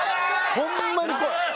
ホンマにこい。